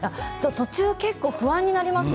途中結構不安になりますよ